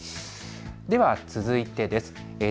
では続いてです。